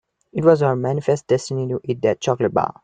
It was her manifest destiny to eat that chocolate bar.